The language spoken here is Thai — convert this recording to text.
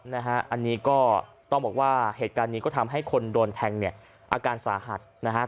นะฮะอันนี้ก็ต้องบอกว่าเหตุการณ์นี้ก็ทำให้คนโดนแทงเนี่ยอาการสาหัสนะครับ